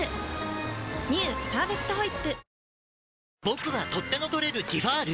「パーフェクトホイップ」